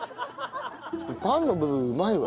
パンの部分うまいわ。